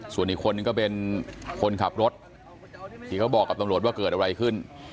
ส่วนอีกคนนึงก็เป็นคนขับรถที่เขาบอกกับตำรวจว่าเกิดอะไรขึ้น